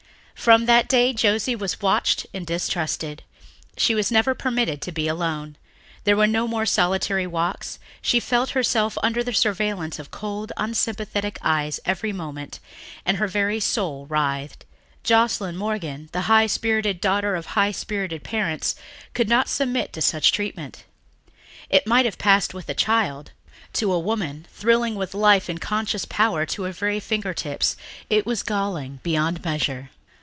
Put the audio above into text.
From that day Josie was watched and distrusted. She was never permitted to be alone. There were no more solitary walks. She felt herself under the surveillance of cold, unsympathetic eyes every moment and her very soul writhed. Joscelyn Morgan, the high spirited daughter of high spirited parents, could not long submit to such treatment. It might have passed with a child; to a woman, thrilling with life and conscious power to her very fingertips, it was galling beyond measure.